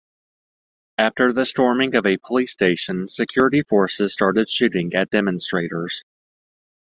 After the storming of a police station, security forces started shooting at demonstrators.